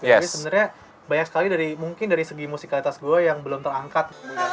jadi sebenarnya banyak sekali dari mungkin dari segi musikalitas gue yang belum terangkat